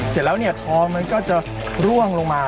เสร็จแล้วเนี่ยท้องมันก็จะร่วงลงมา